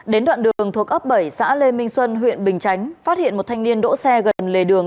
đến đoạn đường thuộc ấp bảy xã lê minh xuân huyện bình chánh phát hiện một thanh niên đỗ xe gần lề đường